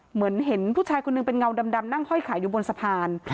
เหมือนเห็นผู้ชายคนหนึ่งเป็นเงาดำนั่งห้อยขายอยู่บนสะพาน